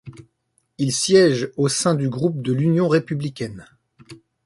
Il siège au sein du groupe de l'Union républicaine.